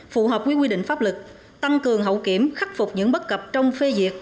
phù hợp với quy định pháp lực tăng cường hậu kiểm khắc phục những bất cập trong phê diệt